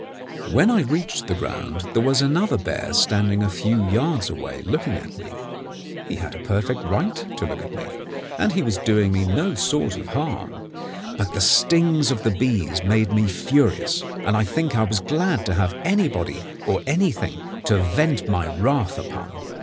When I reached the ground, there was another bear standing a few yards away looking at me. He had a perfect right to look at me, and he was doing me no sort of harm; but the stings of the bees made me furious, and I think I was glad to have anybody or anything to vent my wrath upon.